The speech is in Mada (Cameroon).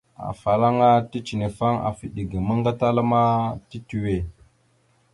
Afalaŋa ticənefaŋ afa eɗe ga ammaŋ gatala ma titəwe.